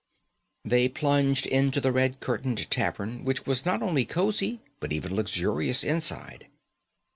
They plunged into the red curtained tavern, which was not only cosy, but even luxurious inside.